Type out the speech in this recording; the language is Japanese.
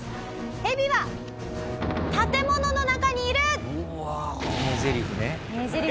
「ヘビは建物の中にいる」。